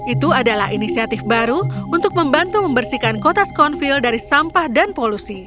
itu adalah inisiatif baru untuk membantu membersihkan kota skonfill dari sampah dan polusi